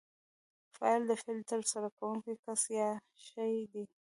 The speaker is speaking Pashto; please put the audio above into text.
فاعل د فعل ترسره کوونکی کس یا شی دئ.